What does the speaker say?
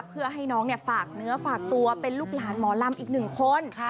เพื่อให้น้องฝากเนื้อฝากตัวเป็นลูกหลานหมอลำอีกหนึ่งคน